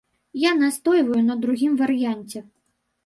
Я настойваю на другім варыянце.